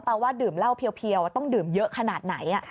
ว่าดื่มเหล้าเพียวต้องดื่มเยอะขนาดไหน